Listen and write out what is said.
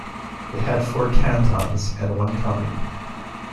It had four cantons and one commune.